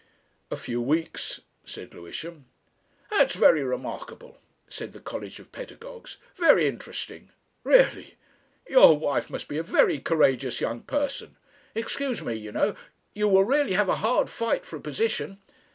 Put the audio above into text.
"A few weeks," said Lewisham. "That's very remarkable," said the College of Pedagogues. "Very interesting.... Really! Your wife must be a very courageous young person.... Excuse me! You know You will really have a hard fight for a position.